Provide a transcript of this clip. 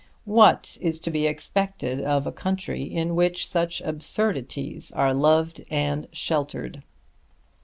What is to be expected of a country in which such absurdities are loved and sheltered?